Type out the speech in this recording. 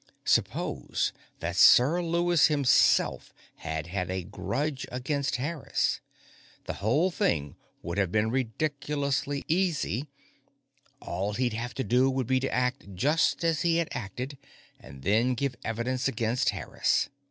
Suppose that Sir Lewis himself had had a grudge against Harris? The whole thing would have been ridiculously easy; all he'd have to do would be to act just as he had acted and then give evidence against Harris.